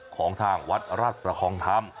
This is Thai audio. ของทางวัดราชประคองธรรม